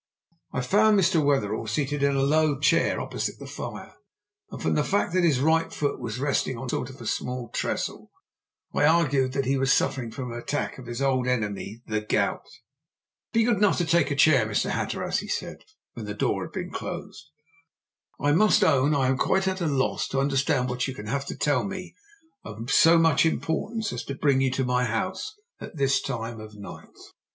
I found Mr. Wetherell seated in a low chair opposite the fire, and from the fact that his right foot was resting on a sort of small trestle, I argued that he was suffering from an attack of his old enemy the gout. "Be good enough to take a chair, Mr. Hatteras," he said, when the door had been closed. "I must own I am quite at a loss to understand what you can have to tell me of so much importance as to bring you to my house at this time of night."